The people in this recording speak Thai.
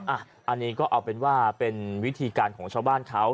อันนี้ก็เอาเป็นว่าเป็นวิธีการของชาวบ้านเขา